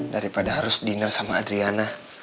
daripada harus dinner sama adriana